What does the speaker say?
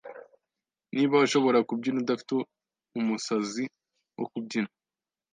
Niba ushobora kubyina udafite umusazi wo kubyina,